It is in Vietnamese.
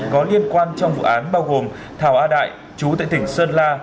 có liên quan trong vụ án bao gồm thảo a đại chú tại tỉnh sơn la